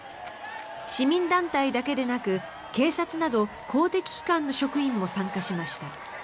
市民団体だけでなく警察など公的機関の職員も参加しました。